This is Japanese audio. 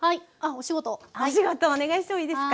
お仕事お願いしてもいいですか？